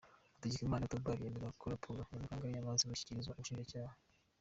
Hategekimana Theobald yemeje ko raporo ya Muganga yamaze gushyikirizwa ubushinjacyaha.